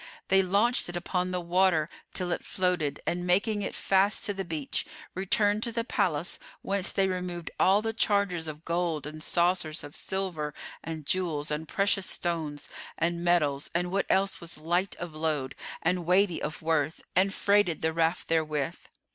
They launched it upon the water till it floated and, making it fast to the beach, returned to the palace, whence they removed all the chargers of gold and saucers of silver and jewels and precious stones and metals and what else was light of load and weighty of worth and freighted the raft therewith.